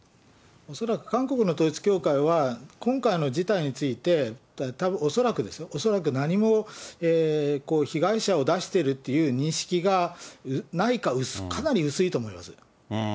恐らく、韓国の統一教会は、今回の事態について、恐らくですよ、恐らく何も被害者を出しているっていう認識がないか、かなり薄いと思います。